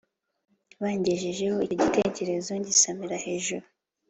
bangejejeho icyo gitekerezo ngisamira hejuru